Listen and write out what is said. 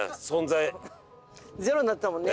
ゼロになってたもんね。